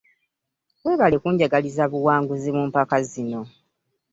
Webale kunjagaliriza buwangizi mu mpaka zino.